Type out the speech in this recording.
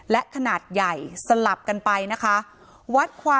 และขนาดใหญ่สลับกันไปนะคะ